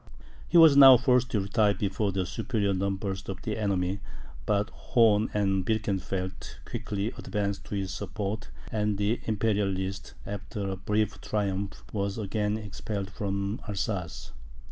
He was now forced to retire before the superior numbers of the enemy; but Horn and Birkenfeld quickly advanced to his support, and the Imperialists, after a brief triumph, were again expelled from Alsace.